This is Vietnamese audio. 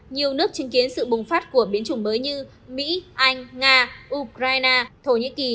nhiều nước chứng kiến sự bùng phát của biến chủng mới như mỹ anh nga ukraine thổ nhĩ kỳ